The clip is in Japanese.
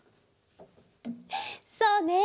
そうね。